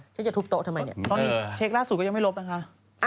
ฉันจะทุบโต๊ะทำไมเนี่ยเออต้นเช็คล่าสุดก็ยังไม่ลบน่ะค่ะ